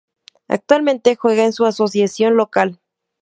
Actualmente juega en su asociación local.